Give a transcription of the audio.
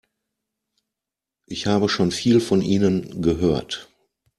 Ich habe schon viel von Ihnen gehört.